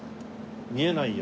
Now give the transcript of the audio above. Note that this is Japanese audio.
見えないよ。